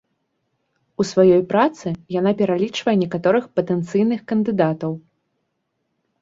У сваёй працы яна пералічвае некаторых патэнцыйных кандыдатаў.